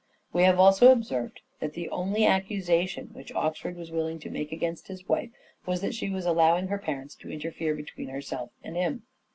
We have also observed that the only accusation which Oxford was willing to make against his wife was that she was allowing her parents to interfere between herself and him.